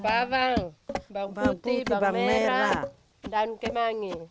bawang bawang putih bawang merah dan kemangi